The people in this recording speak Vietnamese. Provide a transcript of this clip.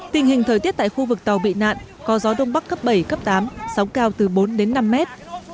tình hình thời tiết tại khu vực tàu bị nạn có gió đông bắc cấp bảy cấp tám sóng cao từ bốn đến năm mét